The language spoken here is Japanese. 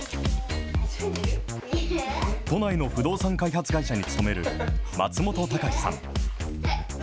都内の不動産開発会社に勤める松本崇さん。